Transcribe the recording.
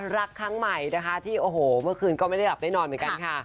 รักครั้งใหม่นะคะที่โอ้โหเมื่อคืนก็ไม่ได้หลับได้นอนเหมือนกันค่ะ